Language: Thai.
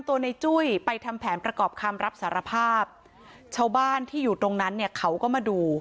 ตัวในจุ้ยไปทำแผนประกอบคำรับสารภาพชาวบ้านที่อยู่ตรงนั้นเนี่ยเขาก็มาดู